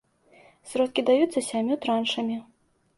Сродкі даюцца сямю траншамі.